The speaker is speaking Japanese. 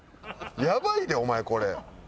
やばいでお前これ。